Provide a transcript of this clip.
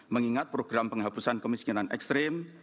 mengingat program penghapusan kemiskinan ekstrim